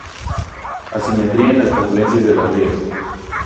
Asimetría en las confluencias de los ríos.